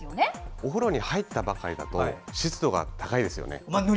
お風呂に入ったばかりだと湿度が高いですよね。